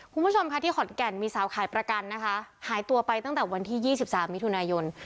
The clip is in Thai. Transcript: คุณผู้ชมค่ะที่ขอนแก่นมีสาวขายประกันนะคะหายตัวไปตั้งแต่วันที่๒๓มิถุนายน